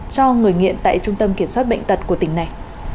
cho người nghiện tại trung tâm kiểm soát bệnh tật của tỉnh này